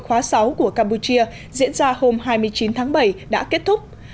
khóa sáu của campuchia diễn ra hôm hai mươi chín tháng bảy đã kết thúc